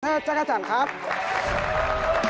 แมนเจ้าเก้าจันครับ